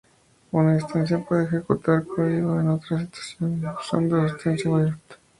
Una instancia puede ejecutar código en otra instancia usando la sentencia "with".